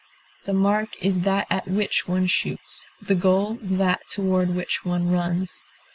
The mark is that at which one shoots; the goal, that toward which one runs.